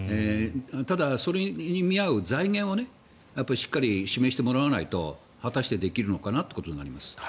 ただ、それに見合う財源をしっかり示してもらわないと果たして、できるのかな？ということになります。